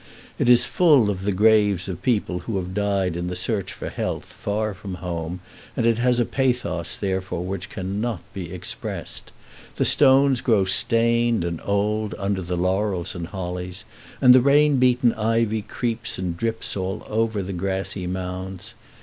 It is full of the graves of people who have died in the search for health far from home, and it has a pathos therefore which cannot be expressed. The stones grow stained and old under the laurels and hollies, and the rain beaten ivy creeps and drips all over the grassy mounds.